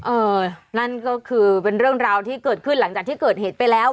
เออนั่นก็คือเป็นเรื่องราวที่เกิดขึ้นหลังจากที่เกิดเหตุไปแล้ว